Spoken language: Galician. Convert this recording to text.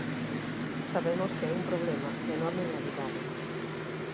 Sabemos que é un problema de enorme gravidade.